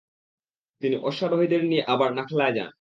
তিনি অশ্বারোহীদের নিয়ে আবার নাখলায় যান।